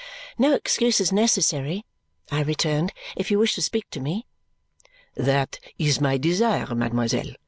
"No excuse is necessary," I returned, "if you wish to speak to me." "That is my desire, mademoiselle.